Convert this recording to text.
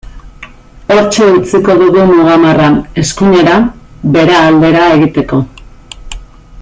Hortxe utziko dugu muga marra, eskuinera, Bera aldera, egiteko.